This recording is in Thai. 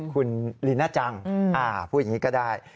คุณลีน่าจังพูดอย่างนี้ก็ได้